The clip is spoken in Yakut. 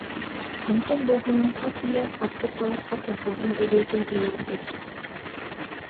Онтон Булгунньахха тиийэн хаппыт талахха торбоһун өрүөтүн ыйаан кэбиспит